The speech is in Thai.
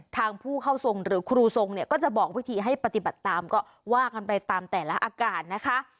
ทางผู้เข้าทรงหรือครูทรงเนี่ยก็จะบอกวิธีให้ปฏิบัติตามก็ว่ากันไปตามแต่ละอาการนะคะ